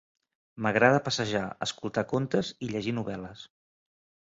M'agrada passejar, escoltar contes i llegir novel·les.